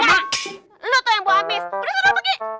lo tuh yang buah amis berusaha pergi